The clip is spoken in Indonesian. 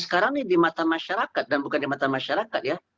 karena ini di mata masyarakat dan bukan di mata masyarakat ya